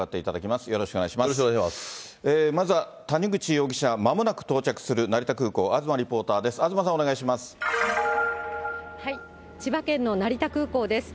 まずは谷口容疑者がまもなく到着する成田空港、東リポーターです。